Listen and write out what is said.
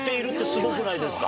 すごくないですか？